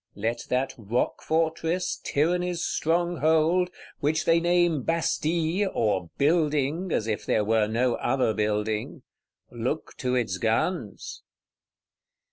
Let that rock fortress, Tyranny's stronghold, which they name Bastille, or Building, as if there were no other building,—look to its guns!